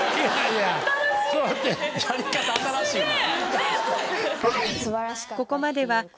やり方新しいな。